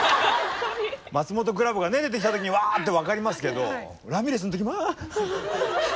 マツモトクラブが出てきた時にうわ！って分かりますけどラミレスの時もうわ！